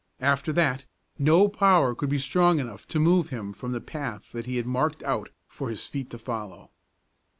After that, no power could be strong enough to move him from the path that he had marked out for his feet to follow.